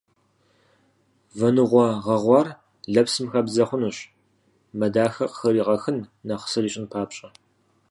Вэныгъуэ гъэгъуар лэпсым хэбдзэ хъунущ, мэ дахэ къыхригъэхын, нэхъ сыр ищӏын папщӏэ.